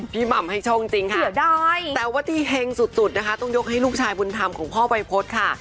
เพราะว่าที่แห่งสุดต้องยกให้ลูกชายบุญธรรมของพ่อวัยพฤษค่ะ